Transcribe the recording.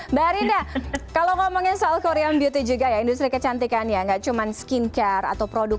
mbak arinda kalau ngomongin soal korean beauty juga ya industri kecantikan ya nggak cuma skin care atau produk